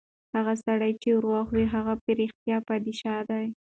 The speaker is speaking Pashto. هغه سړی چې روغ وي، هغه په رښتیا پادشاه دی.